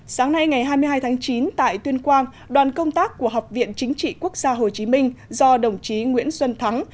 sáng nay ngày hai mươi hai tháng chín tại tuyên quang đoàn công tác của học viện chính trị quốc gia hồ chí minh do đồng chí nguyễn xuân thắng